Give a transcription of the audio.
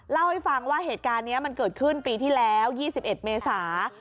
เล่าให้ฟังว่าเหตุการณ์นี้มันเกิดขึ้นปีที่แล้ว๒๑เมษา